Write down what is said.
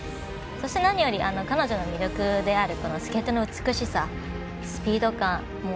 そして、何より彼女の魅力であるスケートの美しさ、スピード感。